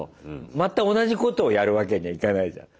また同じことをやるわけにはいかないじゃん。